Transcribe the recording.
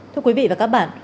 thưa quý vị và các bạn